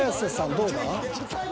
どうだ？］